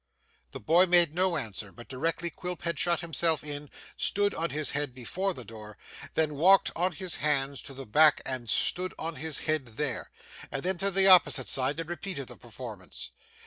The boy made no answer, but directly Quilp had shut himself in, stood on his head before the door, then walked on his hands to the back and stood on his head there, and then to the opposite side and repeated the performance.